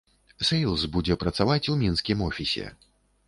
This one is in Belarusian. Сэйлз будзе працаваць у мінскім офісе.